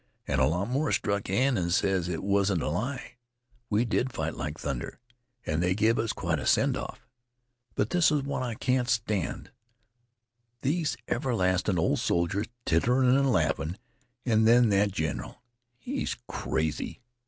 An' a lot more struck in an' ses it wasn't a lie we did fight like thunder, an' they give us quite a send off. But this is what I can't stand these everlastin' ol' soldiers, titterin' an' laughin', an' then that general, he's crazy."